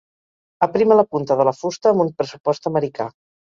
Aprima la punta de la fusta amb un pressupost americà.